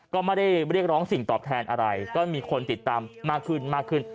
ก็ไม่ได้เรียกร้องสิ่งตอบแทนอะไรก็มีคนติดตามมากขึ้นมากขึ้น